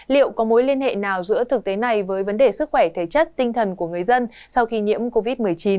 liệu có mối liên hệ nào giữa thực tế này với vấn đề sức khỏe thể chất tinh thần của người dân sau khi nhiễm covid một mươi chín